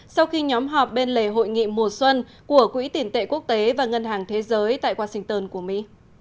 sau khi nhóm họp bên lề hội nghị mùa xuân của quỹ tiền tệ quốc tế và ngân hàng thế giới tại washington của mỹ